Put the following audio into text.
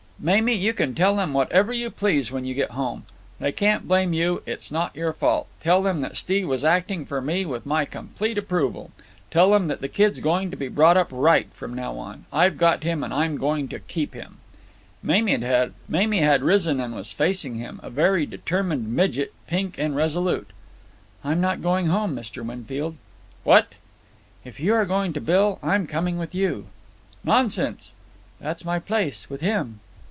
"Mamie, you can tell them whatever you please when you get home. They can't blame you. It's not your fault. Tell them that Steve was acting for me with my complete approval. Tell them that the kid's going to be brought up right from now on. I've got him, and I'm going to keep him." Mamie had risen and was facing him, a very determined midget, pink and resolute. "I'm not going home, Mr. Winfield." "What?" "If you are going to Bill, I am coming with you." "Nonsense." "That's my place—with him."